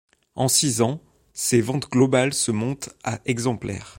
En six ans, ses ventes globales se montent à exemplaires.